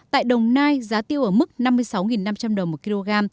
tại đồng nai giá tiêu ở mức năm mươi sáu năm trăm linh đồng một kg